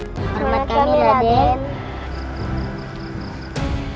selamat pagi raden